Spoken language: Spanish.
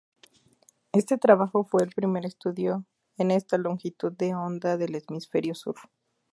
Este trabajo fue el primer estudio en esta longitud de onda del hemisferio sur.